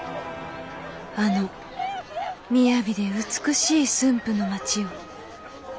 あのみやびで美しい駿府の町を。